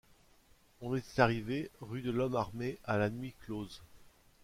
On était arrivé rue de l’Homme-Armé à la nuit close.